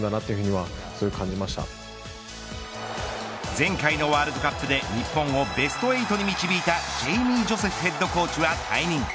前回のワールドカップで日本をベスト８に導いたジェイミー・ジョセフヘッドコーチは退任。